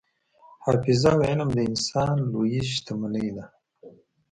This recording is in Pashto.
حافظه او علم د انسان لویې شتمنۍ دي.